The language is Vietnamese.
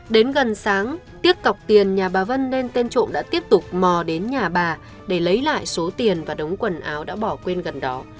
đến gần sáng tiếc cọc tiền nhà bà vân nên tên trộm đã tiếp tục mò đến nhà bà để lấy lại số tiền và đống quần áo đã bỏ quên gần đó